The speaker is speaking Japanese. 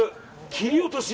切り落とし。